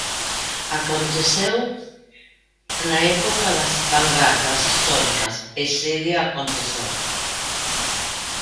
Aconteceu na época das vangardas históricas e segue a acontecer.